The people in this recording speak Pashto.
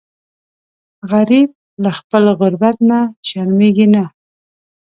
غریب له خپل غربت نه شرمیږي نه